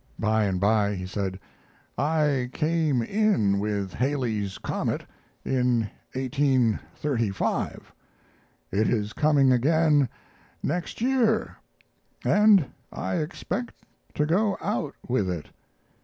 By and by he said: "I came in with Halley's comet in 1835. It is coming again next year, and I expect to go out with it.